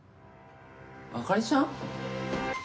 あかりちゃん？